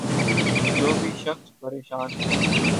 جو بھی شخص پریشان ہے